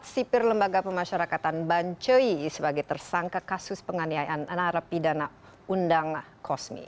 sipir lembaga pemasyarakatan bancoi sebagai tersangka kasus penganiayaan narapidana undang kosmi